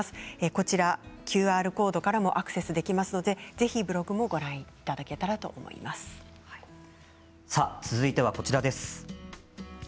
こちらのＱＲコードからもアクセスできますのでぜひブログも続いては、こちらです。